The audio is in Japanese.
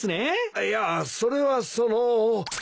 あっいやそれはその。